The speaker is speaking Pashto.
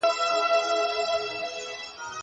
ترانزیټي لاري هیوادونه سره نښلوي.